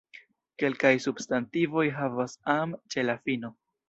Kelkaj substantivoj havas "-am" ĉe la fino.